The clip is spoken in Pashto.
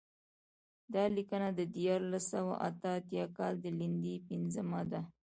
دا لیکنه د دیارلس سوه اته اتیا کال د لیندۍ پنځمه ده.